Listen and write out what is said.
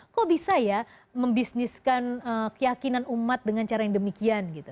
kok bisa ya membisniskan keyakinan umat dengan cara yang demikian gitu